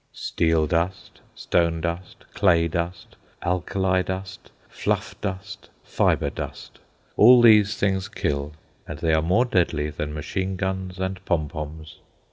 Steel dust, stone dust, clay dust, alkali dust, fluff dust, fibre dust—all these things kill, and they are more deadly than machine guns and pom poms.